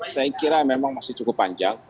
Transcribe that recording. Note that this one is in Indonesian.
saya kira memang masih cukup panjang